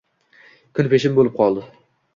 Kun peshin bo‘lib qoldi